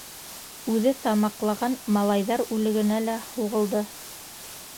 Үҙе тамаҡлаған малайҙар үлегенә лә һуғылды.